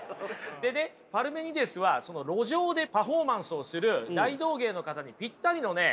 でねパルメニデスは路上でパフォーマンスをする大道芸の方にぴったりのね